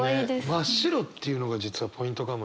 「真っ白」っていうのが実はポイントかもね。